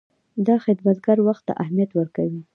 دا خدمتګر وخت ته اهمیت ورکوي.